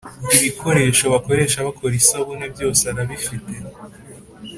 Ibikoresho bakoresha bakora isabune byose arabifite